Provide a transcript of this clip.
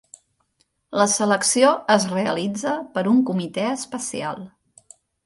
La selecció es realitza per un comitè especial.